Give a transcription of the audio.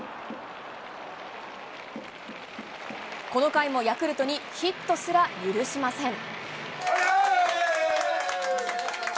この回もヤクルトにヒットすら許しません。